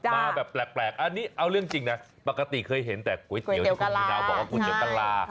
มาแบบแปลกอันนี้เอาเรื่องจริงนะ